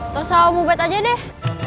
tau sama om ubet aja deh